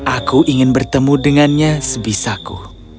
aku ingin bertemu dengannya sebisaku